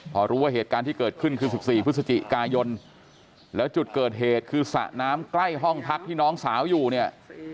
พอรู้ว่าเหตุการณ์ที่เกิดขึ้นคือ๑๔พฤศจิกายนแล้วจุดเกิดเหตุคือสระน้ำใกล้ห้องพักที่น้องสาวอยู่เนี่ย